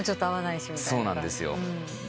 そうなんですよ。